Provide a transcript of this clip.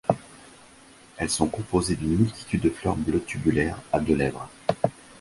Elles sont composées d'une multitudes de fleurs bleues tubulaires à deux lèvres.